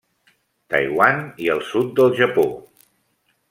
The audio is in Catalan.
Taiwan i el sud del Japó.